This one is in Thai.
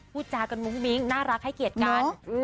พูดจากันมุ้งมิ้งน่ารักให้เกียรติกัน